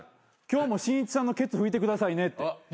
今日もしんいちさんのケツ拭いてくださいねって。